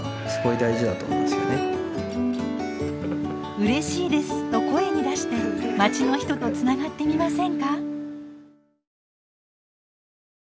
「うれしいです」と声に出してまちの人とつながってみませんか？